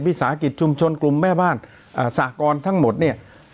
วิสาหกิจชุมชนกลุ่มแม่บ้านสากรทั้งหมดเนี่ย